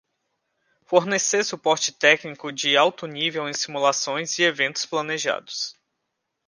Fornecer suporte técnico de alto nível em simulações e eventos planejados.